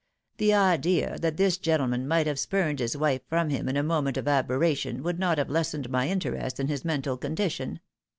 The idea that this gentleman might have spurned his wife from him in a moment of aberration would not have lessened my interest in his mental condition.